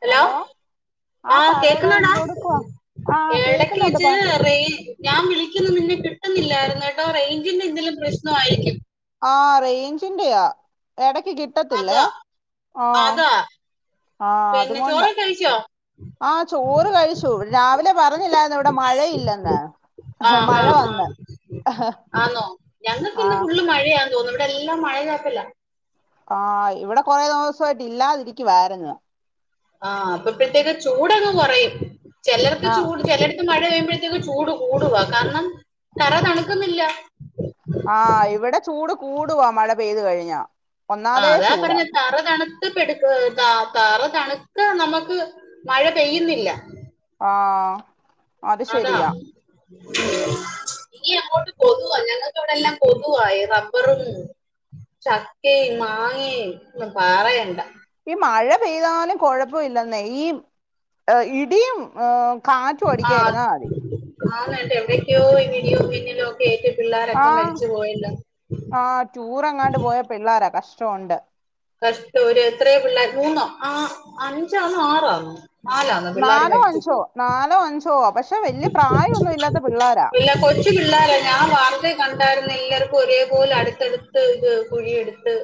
Hello ആ ആഹ് പറയടാ കേക്കുന്നോടാ എന്തെടുക്കുവാ ആ ഇടക്ക് കേക്കുന്നുണ്ട് പ വെച്ച് റെയി ഞാൻ വിളിക്കുന്ന നിന്നെ കിട്ടുന്നില്ലായിരുന്നു കേട്ടോ റേഞ്ചിന്റെ എന്തെലും പ്രശ്നമായിരിക്കും ആ റേഞ്ചിന്റെയാ ഇട ക്ക് കിട്ടത്തില്ലേ അതാ ആ അതാ ആ പിന്നെ അതുകൊണ്ടാ ചോറൊക്കെ കഴിച്ചോ ആഹ് ചോറ് കഴിച്ചു രാവിലെ പറഞ്ഞില്ലായിരുന്നോ ഇവിടെ മഴയില്ലെന്ന് ആഹ് മഴ ആഹ് വന്ന് ആഹ് ആഹ് തോന്നു ഇവിടെ എല്ലാം മഴ ചാറ്റലാ ആ ഇവിടെ കൊറെ ദിവസമായിട്ട് ഇല്ലാതിരിക്കുവായിരുന്ന് ആ അപ്പൊ പിന്നെങ്ങ് ചൂടങ് കുറയും ചിലർക്ക് ആ ചൂട് ചിലര് മഴ പെയ്യുമ്പോഴത്തേക്ക് ചൂട് കൂടുവാ കാരണം തറ തണുക്കുന്നില്ല ആ ഇവിടെ ചൂട് കൂടുവാ മഴ പെയ്തു കഴിഞ്ഞാ ആഹ് ഒന്നാതേ അതാ ചൂടാ പറഞ്ഞെ തറ തണുത്തപ്പെടുആ തറ തണുക്കാൻ നമ്മക്ക് മഴ പെയ്യുന്നില്ല ആഹ് അത് അതാ ശെരിയാ ഇനി അങ്ങോട്ട് കൊതുവാ ഞങ്ങൾക്ക് ഇവിടെ എല്ലാം കൊതുവാ ഈ റബ്ബറും ചക്കേം മാങ്ങേം ഒന്നും പറയണ്ട. ഈ മഴ പെയ്താലും കുഴപ്പം ഇല്ലന്നെ ഈ ഇടിയും ഹ് കാറ്റും അടിക്കാതിരുന്നാ മതി. എവിടെയൊക്കെയോ ഈ വീഡിയോ പിന്നിലോക്കെ [unintelligible] ആഹ് ആഹ് ടൂറെങ്ങാണ്ട് പോയ പിള്ളാര കഷ് ട്ടോണ്ട് കഷ്ടം ഒര് എത്രയോ പിള്ളാരാ മൂന്നോ ആ അഞ്ചാണോ ആറാണോ? നാലോ അഞ്ചോ നാലോ അഞ്ചോ പക്ഷെ വല്യ പ്രായമൊന്നും ഇല്ലാത്ത പിള്ളോരാ ഇല്ല കൊച്ചു പിള്ളാര ഞാൻ വാർത്തേ കണ്ടായിരുന്ന് എല്ലാർക്കും ഒരേപോലെ അടുത്തടുത്ത് ഇത് കുഴിയെടുത്ത്,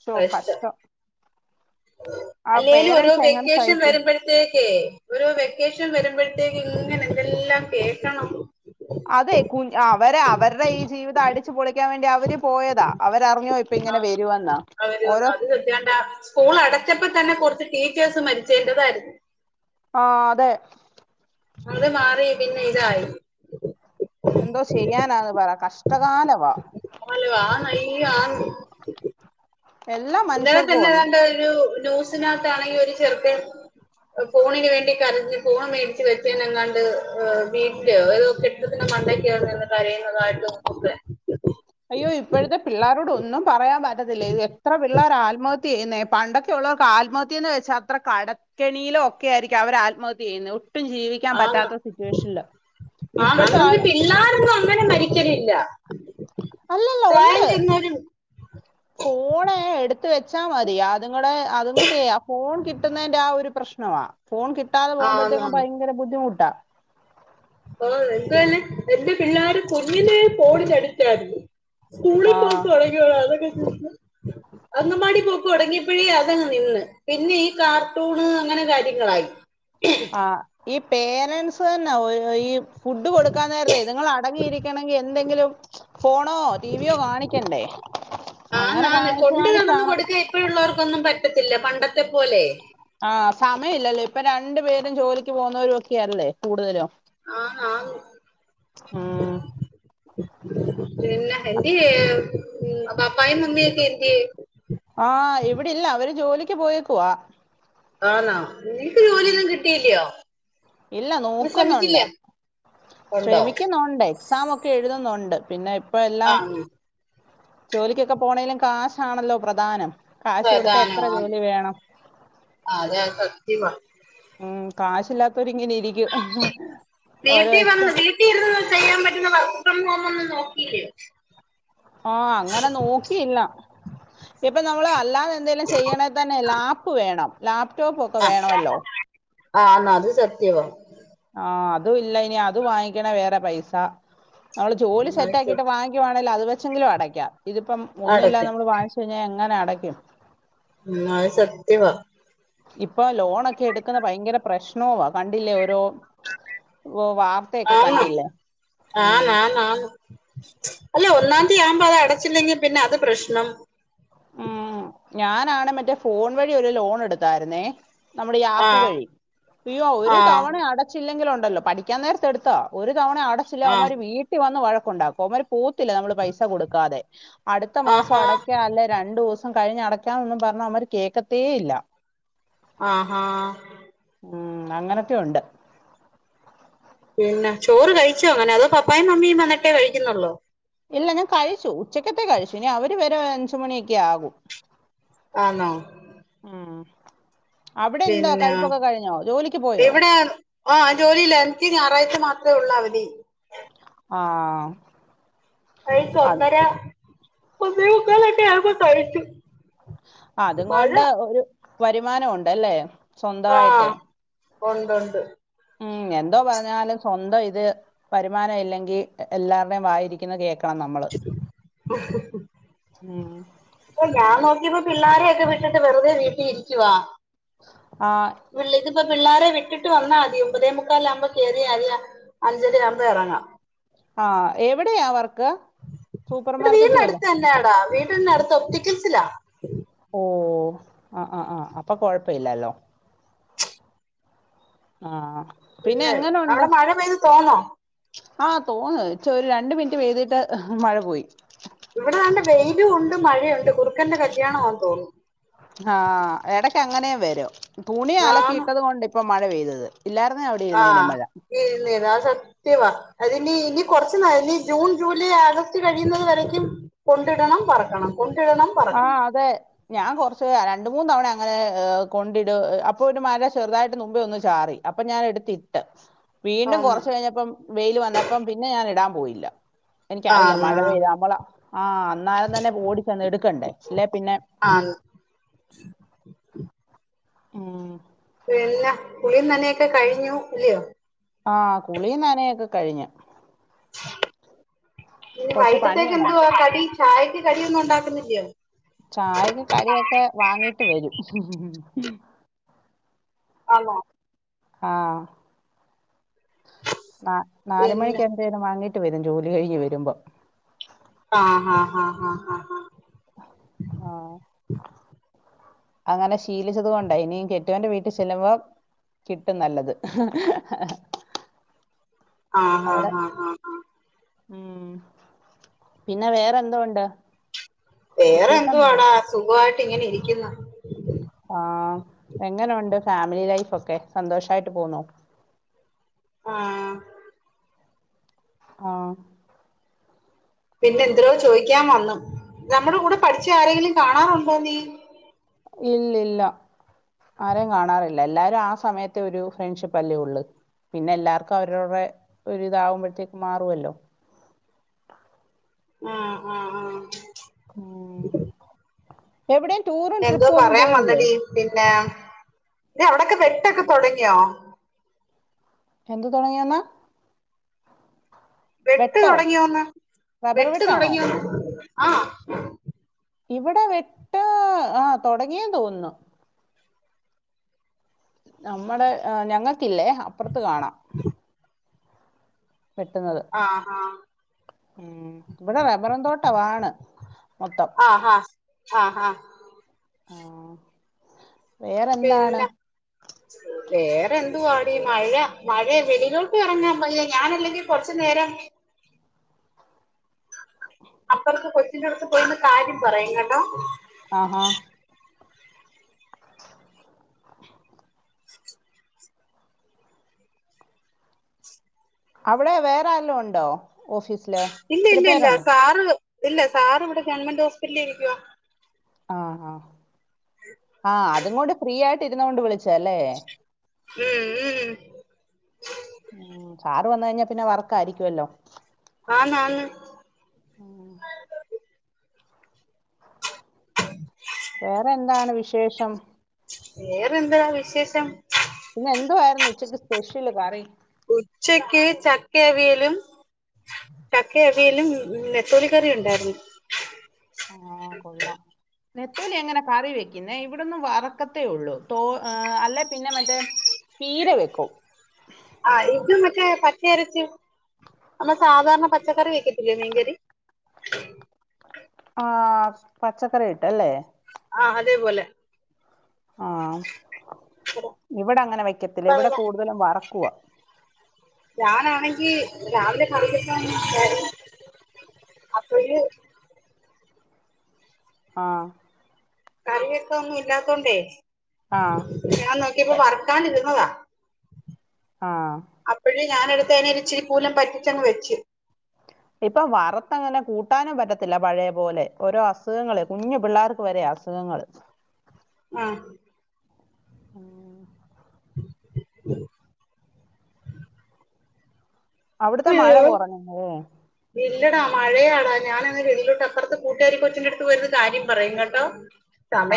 ശോ കഴിച്ച കഷ്ടം. ആ അല്ലേലും ഓരോ പേരൻറ്സ് എങ്ങനെ വെക്കേഷൻ സഹിക്കും വരുമ്പഴ്ത്തേക്കേ ഓരോ വെക്കേഷൻ വരുമ്പോ അതെ കുഞ്അവരെ അവരുടെ ഈ ജീവിതം അടിച്ചു പൊളിക്കാൻ വേണ്ടി അവര് പോയതാ അവരറിഞ്ഞോ ഇപ്പൊ ഇങ്ങനെ വരുവെന്ന് അവര് ഓരോ അത് സത്യാണ്ട സ്കൂൾ അടച്ചപ്പോ തന്നെ കുറച്ച് ടീച്ചേഴ്സ് മരിച്ചീന്റെതായിരുന്നു ആഹ് അതെ അത് മാറി പിന്നെ ഇതായി എന്തോ ചെയ്യാനാന്ന് പറ കഷ്ടകാലവാ. ആല്ല ആ ന ആന്ന് എല്ലാ ഇന്നലെ മനുഷ്യർക്കും തന്നെ ഉണ്ട് ഏതാണ്ടൊരു ന്യൂ- സ്നകത്താണെ ഒരു ചെറുക്കൻ ഫോണിന് വേണ്ടീട്ട് കരഞ്ഞ് ഫോണ് മേടിച്ച് വെച്ചേങ്ങാണ്ട് വീട്ടിലോ ഏതോ കെട്ടിടത്തിന്റെ മണ്ടക്ക് കരയുന്നതായിട്ടും ഒക്കെ അയ്യോ ഇപ്പോഴത്തെ പിള്ളേരോട് ഒന്നും പറയാൻ പറ്റത്തില്ല ഇത് എത്ര പിള്ളേർ ആത്മഹത് ത്യ ചെയ്യുന്നേ പണ്ടൊക്കെ ഉള്ളവർക്ക് ആത്മഹത്യന്ന് വെച്ചാ അത്ര കടക്കെണിയിലും ഒക്കെ ആയിരിക്കും അവര് ആത്മഹത്യ ചെയ്യുന്നേ ആന്ന് ആന്ന് ഇപ്പോഴത്തെ ആ അന്നൊന്നും പിള്ളാരൊന്നും അങ്ങനെ മരിക്കലില്ല അല്ലല്ല പ്രായം ഉണ്ട് ചെന്നവര് ഫോൺ എടുത്ത് വെച്ചാ മതി അതുങ്ങടെ അതോക്കെ ആ ഫോൺ കി ട്ടുന്നതിന്റെ ആ ഒരു പ്രശ്നമാ ഫോൺ കിട്ടാതെ ആന്ന് പോകുപോഴത്തേക്കും ഭയങ്കര ബുദ്ധമു ട്ട ആ എന്ത് തന്നെ എന്റെ പിള്ളേരും കുഞ്ഞിലെ ഫോണിനടിക്റ്റാണ് സ്കൂളിൽ ആ പോയി തുടങ്ങിയോ അതൊക്കെ അങ്ങമാടി പോക്ക് തുടങ്ങിയപ്പഴേ അതങ്ങ് നിന്ന് പിന്നെ ഈ കാർട്ടൂണ് അങ്ങനെ കാര്യങ്ങളായി ആഹ് ഈ പേരൻസ് തന്നെ ഓരോ ഈ ഫുഡ് കൊടുക്കാൻ നേരത്തെ നിങ്ങൾ അടങ്ങിയിരിക്കണെങ്കിൽ എന്തെങ്കിലും [inaudible] ഫോണോ ടീവിയോ കാണിക്കണ്ടേ ആന്ന് അങ്ങനെ കാണിച്ച് കാണിച്ചാണ് ഒന്നും പറ്റത്തില്ല പണ്ടത്തെ പോലെ ആ സമയം ഇല്ലല്ലോ ഇപ്പ രണ്ട് പേരും ജോലിക്ക് പോകുന്നോരോക്കെയല്ലേ കൂടുതലും ആ ആന്ന് പിന്നെ എന്തിയെ ഉം പപ്പായും മമ്മിയും ഒക്കെ എന്തിയെ ആ ഇവിടെല്ല അവര് ജോലി ക്ക് പോയേക്കുവാ ആന്നോ നിനക്ക് ജോലിയൊന്നും കിട്ടിയില്ലോ ഇല്ല നോക്കുന്നുണ്ട് ഉണ്ടോ ശ്രമിക്കുന്നുണ്ട് എക്സാം ഒക്കെ എഴുതുന്നുണ്ട് ണ്ട് പിന്നെ ഇപ്പം ആ എല്ലാം ജോലിക്കൊക്കെ പോണെലും കാശാണല്ലോ പ്രധാനം കാശ് കൊടുത്ത പ്രധാനം എത്ര ജോലി വേണം അതെ അത് സത്യവാ ഉം കാശില്ലാ ഓരോ വീട്ടി വന്ന് എക്സാം വീട്ടിരുന്ന് ചെയ്യാൻ പറ്റുന്ന വർക്ക് ഫ്രം ഹോം ഒന്നു നോക്കിലേ ഓ അങ്ങനെ നോക്കിയില്ല ഇപ്പൊ നമ്മളൾ അല്ലാതെ എന്തേലും ചെയ്യണെ തന്നെ ലാപ്പ് വേണം ലാപ്പ് ടോപ്പ് ഒക്കെ ആഹ് വേണോല്ലോ ആന്ന് അത് സത്യവാ ആ അതും ഇല്ല ഇനി അത് വാങ്ങിക്കണേ വേറെ പൈസ നമ്മൾ ജോലി അത് സ സെറ്റാകീട്ട് വാങ്ങിക്കുവാണേൽ അത് വെ ന്തങ്കിലും അടക്കാം ഇതിപ്പം ഒന്നുല്ലാതെ അടക്ക് നമ്മള് വാങ്ങിച്ച കയിഞ്ഞ എങ്ങനെ അട [unintelligible] ന്നാ അത് സത്യവാ ഇപ്പൊ ലോണൊക്കെ എടുക്കുന്നെ ഭയങ്കര പ്രശ്നവാ കണ്ടില്ലേ ഓരോ ഓ വാർത്തയൊക്കെ ആന്ന് കണ്ടില്ലേ ഉം അല്ലെ ഒന്നാം തീയതിയാവുമ്പോ അത് അടച്ചില്ലെങ്കിൽ പിന്നെ അത് പ്രശ്നം ഉം ഞാനാണ് മറ്റേ ഫോൺ വഴി ഒരു ലോൺ എടുത്തായിരുന്നേ നമ്മുടെ ഈ ആപ്പ് ആഹ് വഴി ഇയ്യോ ഒരു ആഹ് തവണ അടച്ചില്ലെങ്കിലൊ ഒ ല്ലോ പഠിക്കാൻ നേരത്തെ എടുത്തോ ഒരു തവണെ അടച്ചില്ല ആഹ് അവമാര് വീട്ടി വന്ന് വഴ ണ്ടാക്കും അവര് പോത്തില്ല നമ്മള് പൈസ കൊടുക്കാതെ അടുത്ത മാസം ആഹാ അടയ്ക്ക അല്ലെ രണ്ടു ദിവസം കഴിഞ്ഞ് അടയ്ക്ക മെന്നും പറഞ്ഞ അവര് കേക്കത്തേ ഇല്ല ആഹഹ ഉം അങ്ങനത്തെ ഉണ്ട് പിന്നെ ചോറ് കഴിച്ചോ അങ്ങനെ അതോ പപ്പായും മമ്മിയും വന്നിട്ടേ കഴിക്കുന്നുള്ളോ ഇല്ല ഞാൻ കഴിച്ചു ഉച്ചക്കത്തെ കഴിച്ചു ഇനി അവര് വരെ അഞ്ചുമണിയൊക്കെ ആകും ആന്നോ ഉം അവിടെ എന്താ പിന്നെ കഴിപ്പൊക്കെ കഴിഞ്ഞോ ജോലിക്ക് പോയോ ഇവിടെ ആഹ് ജോലില്ല എനിക്ക് ഞായറാഴ്ച മാത്രം [unintelligible] ഉള്ള അവധി ആഹ കഴിച്ചേ ഒന്നര ഒന്നെമുക്കാൽ ഓക്ക് ആയപ്പോ കഴിച്ചു അതും മഴ കൊണ്ട് ഒരു വരുമാനം ഒണ്ടല്ലേ സ്വന്തായിട്ടേ ഒണ്ട് ഒണ്ട് ഉം എന്തോ പറഞ്ഞാലും സ്വന്തം ഇത് വരുമാനം ഇല്ലെങ്കിൽ എല്ലാരുടെേയും വായിരിക്കുന്ന കേക്ക ഉം. ഞാൻ നോക്കി നിപ്പം പിള്ളാരെയ ഒക്കെ വിട്ടിട് വെറുതെ വീട്ടിലിരിക്കുവാ ആ [unintelligible] പിള്ളോരെ വിട്ടിട്ട് വന്നാ മതി ഒമ്പതേ മുക്കാൽ ആവുമ്പോ കയറിയാതി അഞ്ചര ആകുമ്പോ എറങ്ങാം ആഹ എവിടെയാ വർക്ക് സൂപ്പർ മാർക്കറ്റ് വല്ലോം ട്ടിന്റെ അടുത്ത് ഒപ്റ്റിക്കൽസിലാ ഓ ആ് ആഹ ആഹ അപ്പൊ കൊഴപ്പ ഇല്ലല്ലോ ആഹ് ഇല്ലേ അവിടെ മഴ പെയ്ത് തോന്നോ ആഹ് തോന്ന് ഇച്ചൊരു രണ്ട് മിനിറ്റ് പെയ്തിട്ട് മഴ പോയി ഇവിടെ നല്ല വെയിലും ഇണ്ട് മഴയൊണ്ട് കുറുക്കൻന്റെ കല്യാണമാന്ന് തോന്ന്ന്നു ആഹ് എടക്ക് അങ്ങനെം വരും തുണി ആന്ന് അലകീട്ടത് കൊണ്ട് ഇപ്പം മഴ പെയ്തത് ഇല്ലായിരുന്നേ അവിടെ ഇരുന്നേനെ ആഹ് മഴ ഇർന്നീനു അഅ് സത് ത്യമാ അതിനി ഇനി കൊറച്ച് നാൾ ഇനി ജൂൺ ജൂലൈ ആഗസ്റ്റ് കഴിയുന്നത് വരേക്കും കൊണ്ടിടണം പെറക്കണം കൊ ആഹ് അതെ ഞാൻ കൊറച്ച് ര രണ്ട് മൂന്ന് തവണ അങ്ങനെ കൊണ്ടിട് അപ്പൊ ഒരു മര ചെറുതായിട്ട് മുമ്പേ ഒന്നു ചാറി അപ്പൊ ഞാൻ എടുത്തിട്ട് വീണ്ടും ആന്ന് കുറച്ച് കഴിഞ്ഞപ്പം വെയിൽ വന്നപ്പം പിന്നെ ഞാൻ ഇടാം പോയില്ല എനിക്കറിയ ആന്ന് മഴപെയ്ത നമ്മള ആഹ് അന്നാര തന്നെ ഓടി ചെന്ന് എടു കണ്ടെ അല്ലെ പിന്നെ ആന്ന് ഉം പിന്നെ കുളീം നന്നെയൊക്കെ കഴിഞ്ഞു ഇല്ലയോ? ആഹ് കുളിയും ന്നനയൊക്കെ കഴിഞ്ഞു. ഇനി കൊറച്ച് വൈകിട്ടത്തേക്ക് പണിയ്ണ്ടാ എന്തുവാ കടി ചായക്ക് കടിയൊന്നും ഉണ്ടാക്കുന്നില്ലയോ ചായക്ക് കടിയൊക്കെ വാങ്ങിട്ട് വരും ഉം ആനോ ആഹ് ന നാല് പിന്നെ മണിക്ക് എന്തേലും വാങ്ങി വരും ജോലി കഴിഞ്ഞ് വരുമ്പം. ആഹ് ഹ് ഹ് ഹ് ഹ് ആഹ് അങ്ങനെ ശീലിച്ചത് കൊണ്ടാ ഇനിയും കെട്ടിയോന്റെ വീട്ടിൽ ചെല്ലുമ്പോ കിട്ടും നല്ലത്. ആഹ് അവിടെ ഹ ഹ ഹ ഹ ഉം പിന്നെ വേറെന്തോ ഉണ്ട് വിശേഷം പറ വേറെന്തുവാടാ സുഖായി ഇങ്ങനെ ഇരിക്ക്ന്ന്. ആഹ് എങ്ങനെ ഒണ്ട് ഫാമിലി ലൈഫ് ഒക്കെ സന്തോഷായിട്ട് പോന്നൊ ആഹ് ആഹ് പിന്നെ എന്തിനോ ചോയിക്കാൻ വന്നു നമ്മുടെ കൂടെ പഠിച്ച ആരെലും കാണാറുണ്ടോ നീ? ഇല്ലില്ല ആരേ കാണാറില്ല എല്ലാരും ആ സമയത്തെ ഒരു ഫ്രണ്ട്ഷിപ്പ് അല്ലേ ഉള്ളു പിന്നെ എല്ലാർക്കും അവരവറെ ഒരു ഇതാവുമ്പഴ്ത്തേക്ക് മാറുല്ലോ. ആഹ് ആഹ് ആഹ് കൂ എന്തോ പറയാൻ പോയില്ലേ വന്നടി പിന്നെ അവിടൊക്കെ വെട്ടൊക്കെ തുടങ്ങിയോ? എന്ത് തൊടങ്ങിയോന്ന് വെട്ട് തുടങ്ങിയോന്ന് റബ്ബർ വെട്ട് വെട്ടാണോ തുടങ്ങിയോന്ന് ആഹ് ഇവിടെ വിട്ട് ആ തുടങ്ങിയൊന്ന് തോന്നുന്നു. നമ്മടെ ഞങ്ങള്ക്കില്ലേ അപ്പറ ത്ത് കാണാം. വെട്ടുന്നത് ആഹ് ആഹ് ഇവിടെ റബ്ബറ് തോട്ടവാണ് മൊത്തം ആഹ് ആഹ് ആഹ് ഹാ ആഹ് വേറെന്താണ്? പിന്നെ വേറെ എന്തുവാടി മഴ മഴ വെളിയിലോട്ട് ഇറങ്ങാൻ വയ്യാ ഞാനല്ലെങ്കി കൊറച്ച് നേരം അപ്പോറത്ത് പോയ് എല്ലോട്ത്തും പോയിര്ന്ന് കാര്യം പറയും കേട്ടോ ആഹ് ആ അവിടെ വേറെ ആരേലും ഉണ്ടോ ഓഫീസില് ഇല്ല ഒത്തിരി ഇല്ല ഇല്ല പേരുണ്ടോ കാറ് ഇല്ല സാറ് ഇവിടെ ഗവൺമെന്റ് ഹോസ്പിറ്റലില് ഇരിക്കുവാ ആഹ് ആഹ് ആഹ് അത്കൊണ്ട് ഫ്രീയായ് തിരുന്നോണ്ട് വിളി ചെലെ മ്മ് മ്മ് ഉം സാറ് വന്ന് കഴിഞ്ഞാ പിന്നെ വർക്കായിരിക്കുവല്ലോ ആന്ന് ആന്ന് ഉം. വേറെന്താണ് വിശേഷം വേറെന്താ വിശേഷം? പിന്നെ എന്തുവായിരുന്നു ഉച്ചയ്ക്ക് സ്പെഷ്യല് കറി ഉച്ചക്ക് ചക്കവിയലും ചക്കവിയലും നെത്തോലി കറി ഉണ്ടായിര്ന്നു ആഹ് കൊള്ളാം നെത്തോലി എങ്ങനെ കറി വെയ്ക്കുന്നേ ഇവിടൊന്ന് വറക്കത്തേ ഒള്ളൂ തോ അല്ലേ പിന്നെ മറ്റേ പീര വെക്കും ആഹ് ഇത് മറ്റേ പച്ച അരച്ച് നമ്മ സാധാരണ പച്ചക്കറി വെക്കത്തില്ലേ മീൻകറി ആഹ് പച്ചക്കറിട്ട് അല്ലേ ആഹ് അതേപോലെ ആഹ് ഇവിടെ അങ്ങനെ വെയ്ക്കത്തില്ല അപ്പ ഇവിടെ കൂടുതലും വറക്കുവാ ഞാനാണെങ്കി രാവിലെ കറി വെക്കാന് [unintelligible] അപ്പയ് ആഹ് കറി വെക്കാന് ഒന്നും ഇല്ലാത്തൊണ്ടേ ആ ഞാൻ നോക്കിയപ്പോ വറ്ക്കാന് ഇരുന്നതാ ആഹ് ഞാന് എടുത്ത് അനെ ഇച്ചിരിക്കൂലം പറ്റിച്ചങ്ങ് വെച്ച് ഇപ്പൊ വറുത്തങ്ങനെ കൂട്ടാനും പറ്റത്തില്ല പഴയ പോലെ ഓരോ അസുഖങ്ങള് കുഞ്ഞു പിള്ളേർക്ക് വരെ അസുഖങ്ങള് ആഹ് അവിടുത്തെ മഴ അയ്യോ കുറഞ്ഞന്നേ ഇല്ലടാ മഴയാടാ ഞാന് ങ്ങ് വെളയിലോട്ട്പ്പുറത്ത് കൂട്ടാരി കൊച്ചിൻ്റെ അടുത്ത് പോയാരുന് കാര്യം പറയും കേട്ടോ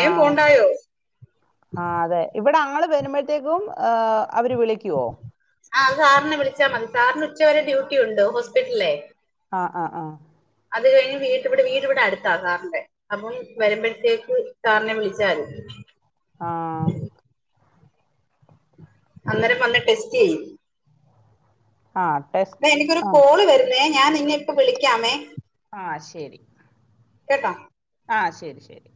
ആ പോണ്ടായോ ഞങ്ങൾ വരുമ്പോഴത്തേക്കും അവര് വിളി ആഹ് സാറിനെ വിളിച്ചാ മതി സാറിന് ഉച്ച വരെ ഡ്യൂട്ടി ഉണ്ട് ഹോസ്പിറ്റലിലെ ആഹ് ആഹ് അഹ് അത് കഴിഞ് വീണ്ട്ടെ വീടിവിടെ അടുത്താ സാറിൻ്റെ അപ്പം വരുമ്പോഴത്തേക്ക് സാറിനെ വിളിച്ചാല് ആഹ് അന്നേരം വന്ന് ടെസ്റ്റ് ചെയ്യും ആ ടെസ്റ്റ് എടാ എനിക്കൊരു ആ കോള് വരുന്നേ ഞാൻ നിന്നയിപ്പ വിളിക്കാമേ ആഹ് ശരി കേട്ടാ ആഹ് ശരി ശരി